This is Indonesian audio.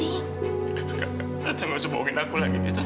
enggak enggak tante gak usah bohongin aku lagi tante